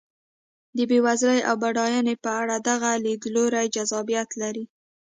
د بېوزلۍ او بډاینې په اړه دغه لیدلوری جذابیت لري.